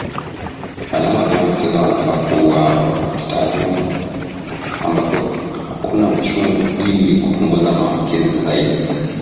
Wanyama walioambukizwa wanafaa kuuawa kitaalamu ambako hakuna uchungu ili kupunguza maambukizi zaidi